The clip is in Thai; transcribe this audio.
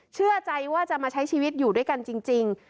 เชื่อใจว่าจะมาใช้ชีวิตอยู่ด้วยกันจริง